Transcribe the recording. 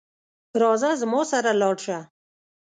راځه زما سره لاړ شه